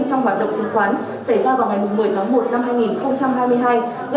che giấu thông tin trong hoạt động chứng khoán xảy ra vào ngày một mươi một hai nghìn hai mươi hai